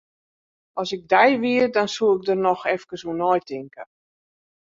As ik dy wie, dan soe ik der noch efkes oer neitinke.